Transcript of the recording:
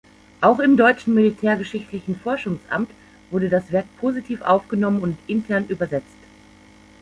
Auch im deutschen Militärgeschichtlichen Forschungsamt wurde das Werk positiv aufgenommen und intern übersetzt.